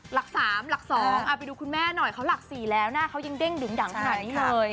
หลัก๓หลัก๒เอาไปดูคุณแม่หน่อยเขาหลัก๔แล้วหน้าเขายังเด้งดึงดังขนาดนี้เลย